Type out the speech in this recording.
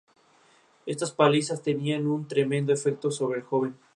Estas palizas tenían un tremendo efecto sobre el joven.